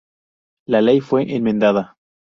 La ley fue enmendada.